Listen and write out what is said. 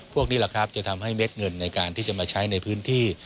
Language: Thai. พวกนี้แหละครับจะทำให้เม็ดเงินในการที่จะมาใช้ในพื้นที่